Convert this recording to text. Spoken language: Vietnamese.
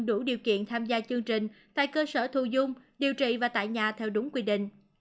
đủ điều kiện tham gia chương trình tại cơ sở thu dung điều trị và tại nhà theo đúng quy định